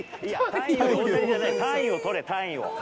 単位を取れ、単位を。